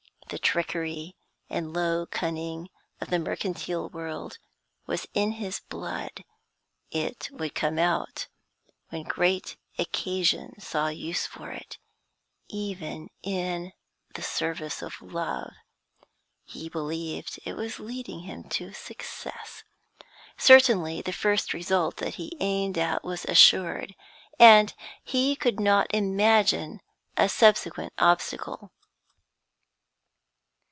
The trickery and low cunning of the mercantile world was in his blood; it would come out when great occasion saw use for it, even in the service of love. He believed it was leading him to success. Certainly the first result that he aimed at was assured, and he could not imagine a subsequent obstacle.